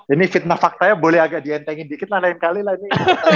ini fitnah faktanya boleh agak dientengin dikit lah lain kali lah ini